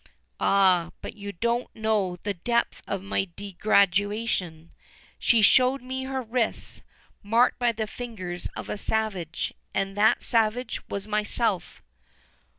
"Ah, but you don't know the depth of my degradation. She showed me her wrists, marked by the fingers of a savage, and that savage was myself."